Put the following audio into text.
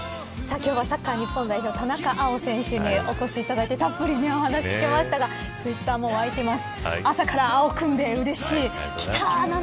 今日はサッカー日本代表田中碧選手にお越しいただいてたっぷりお話聞けましたがツイッターも沸いてます。